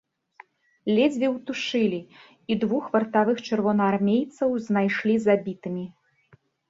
Ледзьве ўтушылі, і двух вартавых чырвонаармейцаў знайшлі забітымі.